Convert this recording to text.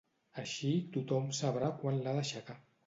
Així tothom sabrà quan l’ha d’aixecar.